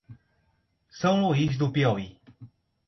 São Luís do Piauí